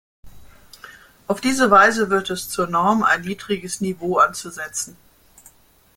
Auf diese Weise wird es zur Norm, ein niedriges Niveau anzusetzen.